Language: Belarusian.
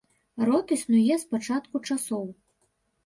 Род існуе з пачатку часоў.